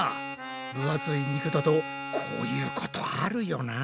ぶ厚い肉だとこういうことあるよな。